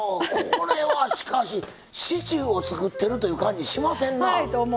これは、シチューを作ってるという感じしませんな。